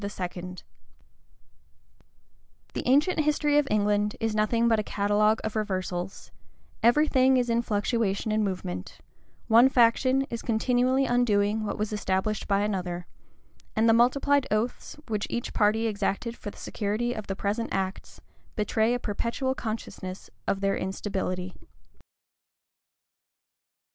[] The ancient history of England is nothing but a catalogue of reversals: every thing is in fluctuation and movement: one faction is continually undoing what was established by another: and the multiplied oaths which each party exacted for the security of the present acts, betray a perpetual consciousness of their instability.